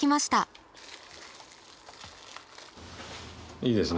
いいですね